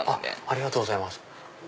ありがとうございます。